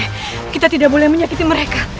mereka tidak bisa berhukum kalian semua